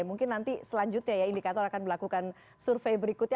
mungkin nanti selanjutnya ya indikator akan melakukan survei berikutnya